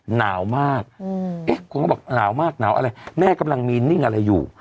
หนาวมากเอ๊ะคนก็บอกหนาวมากหนาวอะไรแม่กำลังมีนิ่งอะไรอยู่